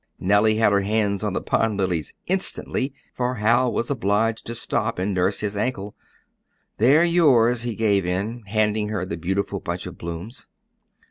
Nellie had her hands on the pond lilies instantly, for Hal was obliged to stop and nurse his ankle. "They're yours," he gave in, handing her the beautiful bunch of blooms.